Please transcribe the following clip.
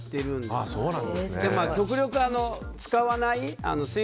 でも、極力使わないものは。